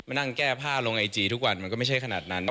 นั่งแก้ผ้าลงไอจีทุกวันมันก็ไม่ใช่ขนาดนั้นนะ